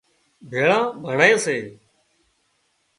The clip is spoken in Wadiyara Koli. ڀيۯان ڀۯي سي